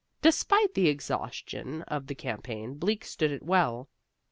Despite the exhaustion of the campaign, Bleak stood it well.